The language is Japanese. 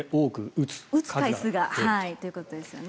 打つ回数がということですね。